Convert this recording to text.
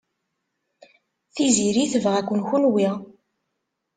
Tiziri tebɣa-ken kenwi.